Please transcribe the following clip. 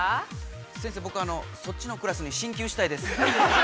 ◆先生、僕、そっちのクラスに進級したいです。